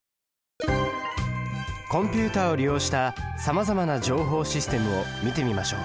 コンピュータを利用したさまざまな情報システムを見てみましょう。